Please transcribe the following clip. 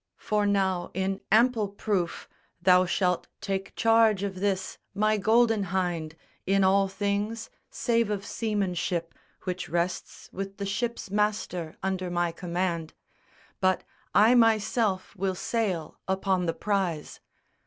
For now in ample proof Thou shalt take charge of this my Golden Hynde In all things, save of seamanship, which rests With the ship's master under my command. But I myself will sail upon the prize."